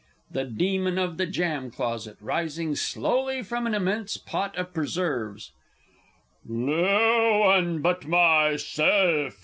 The Demon of the Jam Closet (rising slowly from an immense pot of preserves). No one but Myself!